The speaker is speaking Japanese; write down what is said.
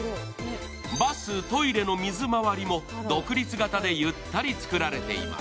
バス、トイレの水回りも独立型でゆったり作られています。